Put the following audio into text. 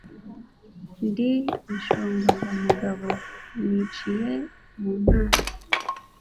ndi inshogozamugabo, niciye mu ntanzi,